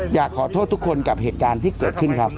อยากขอโทษทุกคนกับเหตุการณ์ที่เกิดขึ้นครับ